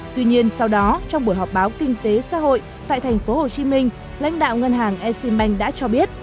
tuy nhiên sau đó trong buổi họp báo kinh tế xã hội tại tp hcm lãnh đạo ngân hàng exim bank đã cho biết